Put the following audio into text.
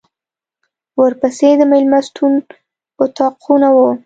ورپسې د مېلمستون اطاقونه و.